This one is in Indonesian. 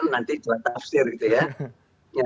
nanti dua tafsir gitu ya